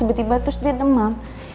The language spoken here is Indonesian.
tiba tiba terus dia demam